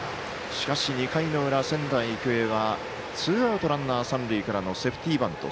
しかし、２回の裏、仙台育英はツーアウト、ランナー、三塁からセーフティーバント。